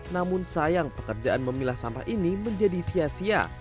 namun sayang pekerjaan memilah sampah ini menjadi sia sia